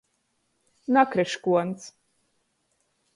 Nakryškuons!